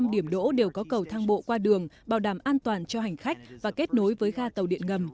một trăm linh điểm đỗ đều có cầu thang bộ qua đường bảo đảm an toàn cho hành khách và kết nối với ga tàu điện ngầm